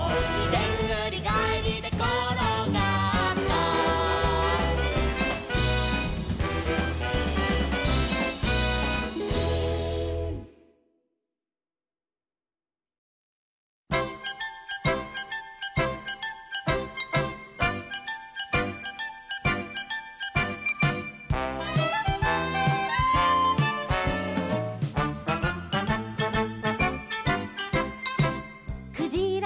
「でんぐりがえりでころがった」「クジラ